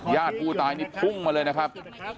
ยาดกูตายนิดพุ่งมาเลยนะครับ